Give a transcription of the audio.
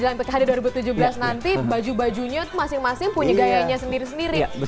dalam pkhd dua ribu tujuh belas nanti baju bajunya masing masing punya gayanya sendiri sendiri